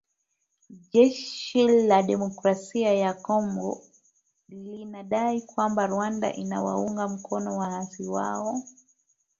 Jeshi la Demokrasia ya Kongo limedai kwamba Rwanda inawaunga mkono waasi hao